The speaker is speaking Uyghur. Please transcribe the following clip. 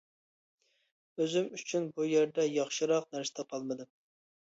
ئۆزۈم ئۈچۈن بۇ يەردە ياخشىراق نەرسە تاپالمىدىم.